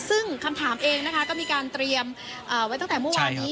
ซึ่งคำถามเองนะคะก็มีการเตรียมไว้ตั้งแต่เมื่อวานนี้